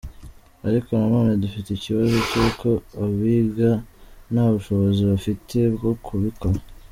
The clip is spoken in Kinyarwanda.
Ariko nanone dufite ikibazo cy’uko abiga nta bushobozi bafite bwo kubikora.